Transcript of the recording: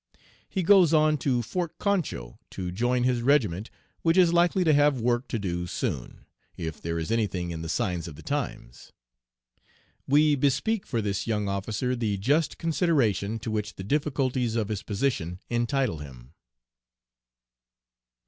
He goes on to Fort Concho to join his regiment, which is likely to have work to do soon, if there is anything in the signs of the times. "We bespeak for this young officer the just consideration to which the difficulties of his position entitle him."